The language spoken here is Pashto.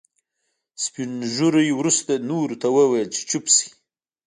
سپين ږيري وروسته نورو ته وويل چې چوپ شئ.